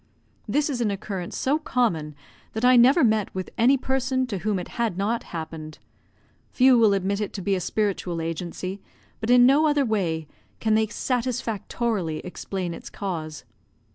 This is an occurrence so common that I never met with any person to whom it had not happened; few will admit it to be a spiritual agency, but in no other way can they satisfactorily explain its cause.